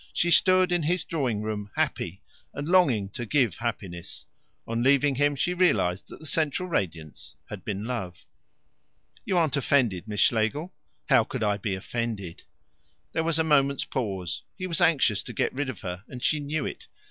She stood in his drawing room happy, and longing to give happiness. On leaving him she realized that the central radiance had been love. "You aren't offended, Miss Schlegel?" "How could I be offended?" There was a moment's pause. He was anxious to get rid of her, and she knew it.